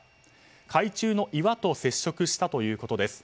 海中の岩と接触したということです。